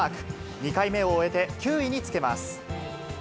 ２回目を終えて９位につけます。